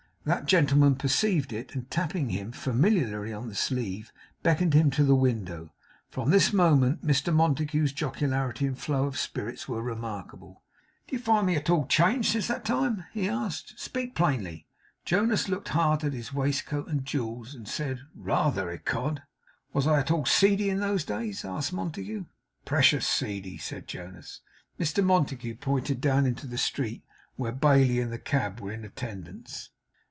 That gentleman perceived it, and tapping him familiarly on the sleeve, beckoned him to the window. From this moment, Mr Montague's jocularity and flow of spirits were remarkable. 'Do you find me at all changed since that time?' he asked. 'Speak plainly.' Jonas looked hard at his waistcoat and jewels; and said 'Rather, ecod!' 'Was I at all seedy in those days?' asked Montague. 'Precious seedy,' said Jonas. Mr Montague pointed down into the street, where Bailey and the cab were in attendance.